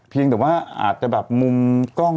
เพียงแต่ว่าอาจจะแบบมุมกล้อง